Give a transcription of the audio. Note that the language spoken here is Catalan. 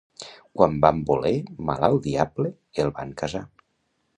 Quan van voler mal al diable el van casar.